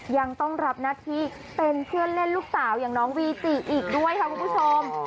ยังต้องรับหน้าที่เป็นเพื่อนเล่นลูกสาวอย่างน้องวีจิอีกด้วยค่ะคุณผู้ชม